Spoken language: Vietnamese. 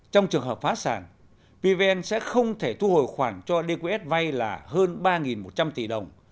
trong trường hợp phá sản pvn sẽ không thể thu hồi khoản cho dqs vay là hơn ba một trăm linh tỷ đồng